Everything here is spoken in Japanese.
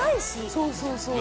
そうそうそう。